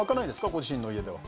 ご自身の家では。